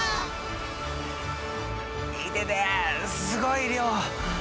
すごい量。